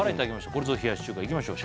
これぞ冷やし中華いきましょう